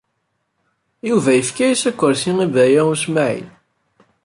Yuba yefka-as akersi i Baya U Smaɛil.